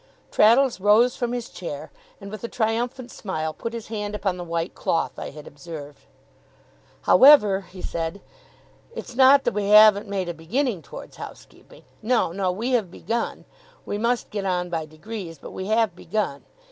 Traddles rose from his chair, and, with a triumphant smile, put his hand upon the white cloth I had observed. 'However,' he said, 'it's not that we haven't made a beginning towards housekeeping. No, no; we have begun. We must get on by degrees, but we have begun.